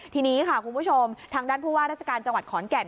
ทีนี้ค่ะคุณผู้ชมทางด้านผู้ว่าราชการจังหวัดขอนแก่น